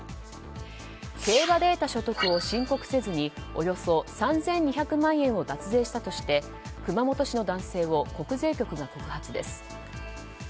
競馬で得た所得を申告せずにおよそ３２００万円を脱税したとして熊本市の男性を国税局が告発です。